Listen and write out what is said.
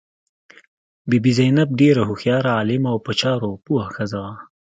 بي بي زینب ډېره هوښیاره، عالمه او په چارو پوه ښځه وه.